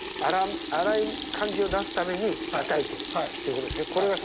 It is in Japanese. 粗い感じを出すためにたたいてるってことですね。